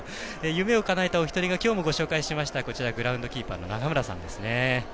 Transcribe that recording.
夢をかなえた方きょうもご紹介しましたグラウンドキーパーの長村さんですね。